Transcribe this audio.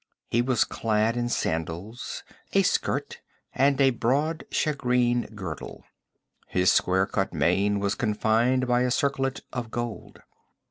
He was clad in sandals, a skirt and a broad shagreen girdle. His square cut mane was confined by a circlet of gold.